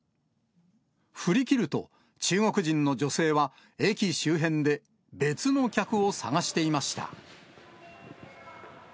振り切ると、中国人の女性は駅周辺で別の客を探していました。